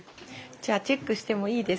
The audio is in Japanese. じゃあチェックしてもいいですか甘酒。